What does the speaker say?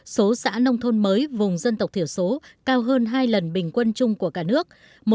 số xã nông thôn mới vùng dân tộc thiểu số cao hơn hai lần bình quân chung của cả nước